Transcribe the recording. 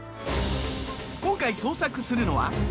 今回捜索するのは。